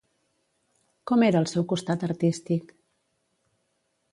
Com era el seu costat artístic?